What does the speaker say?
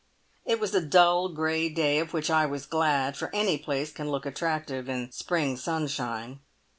It was a dull, grey day, of which I was glad, for any place can look attractive in spring sunshine.